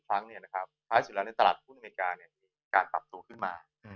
๗ครั้งครับ๗ใน๑๐ครั้งในตลาดภูมิอเมริกาการตับสูงขึ้นมา